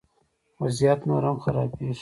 وضعیت نور هم خرابیږي